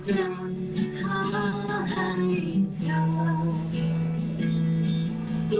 เฮ้ยเดี๋ยวนะเล่นผิดเห็นผิด